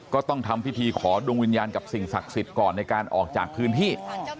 ก็ต้องทำพิธีขอดวงวิญญาณกับสิ่งศักดิ์สิทธิ์ก่อนในการออกจากพื้นที่